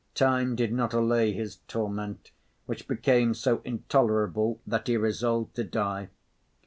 Time did not allay his torment, which became so intolerable that he resolved to die.